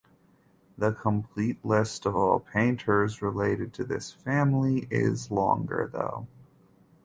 The complete list of all painters related to this family is longer though.